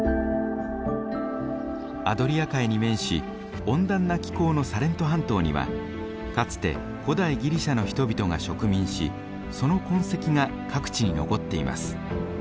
アドリア海に面し温暖な気候のサレント半島にはかつて古代ギリシャの人々が植民しその痕跡が各地に残っています。